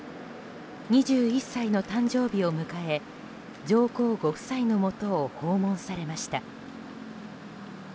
２１歳の誕生日を迎え上皇ご夫妻のもとを訪問されました。